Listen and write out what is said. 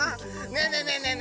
ねえねえねえねえ！